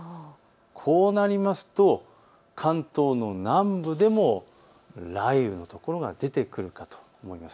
こうなりますと関東の南部でも雷雨のところが出てくるかと思います。